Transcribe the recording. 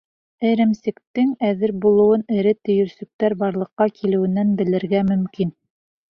Эремсектең әҙер булыуын эре төйөрсөктәр барлыҡҡа килеүенән белергә мөмкин.